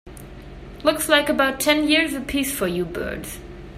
Looks like about ten years a piece for you birds.